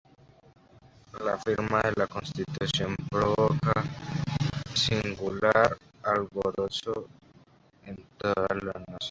La firma de la Constitución provocó singular alborozo en toda la Nación.